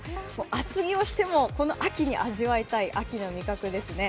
厚着をしても秋に味わいたい秋の味覚です。